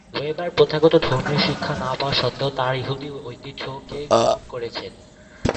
Weber প্রথাগত ধর্মীয় শিক্ষা না পাওয়া সত্ত্বেও তার ইহুদি ঐতিহ্যকে গ্রহণ করেছেন।